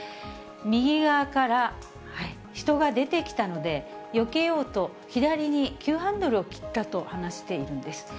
右側から人が出てきたので、よけようと左に急ハンドルを切ったと話しているんです。